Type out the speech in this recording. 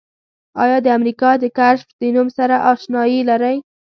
آیا د امریکا د کشف د نوم سره آشنایي لرئ؟